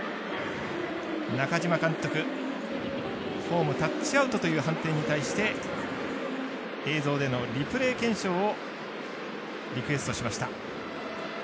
中嶋監督、ホーム、タッチアウトという判定に対して映像でのリプレー検証をリクエストしました。